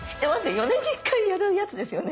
４年に１回やるやつですよね。